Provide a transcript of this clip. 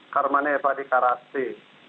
karma neva di karasi